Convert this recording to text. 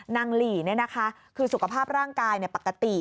หลีคือสุขภาพร่างกายปกติ